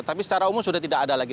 tapi secara umum sudah tidak ada lagi